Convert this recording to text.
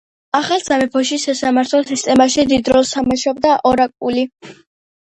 ახალ სამეფოში სასამართლო სისტემაში დიდ როლს თამაშობდა ორაკული.